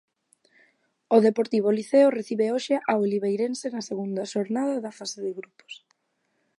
O Deportivo Liceo recibe hoxe ao Oliveirense na segunda xornada da fase de grupos.